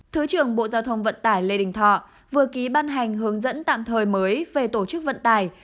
thứ trưởng bộ giao thông vận tải lê đình thọ vừa ký ban hành hướng dẫn tạm thời mới về tổ chức vận tải